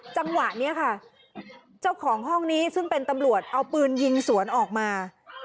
จังหวะนี้ค่ะเจ้าของห้องนี้ซึ่งเป็นตำรวจเอาปืนยิงสวนออกมา